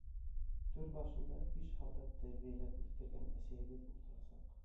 Түр башында биш һалдат тәрбиәләп үҫтергән әсәйебеҙ ултырасаҡ.